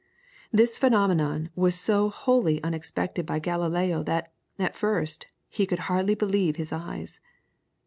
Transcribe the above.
This phenomenon was so wholly unexpected by Galileo that, at first, he could hardly believe his eyes.